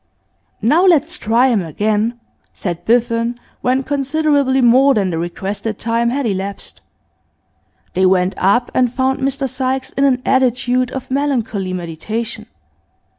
'Now let's try him again,' said Biffen, when considerably more than the requested time had elapsed. They went up, and found Mr Sykes in an attitude of melancholy meditation.